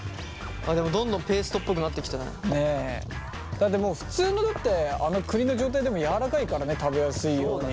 だってもう普通の栗の状態でもやわらかいからね食べやすいように。